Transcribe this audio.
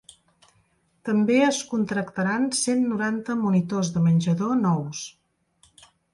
També es contractaran cent noranta monitors de menjador nous.